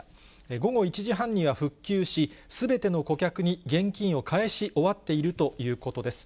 午後１時半には復旧し、すべての顧客に現金を返し終わっているということです。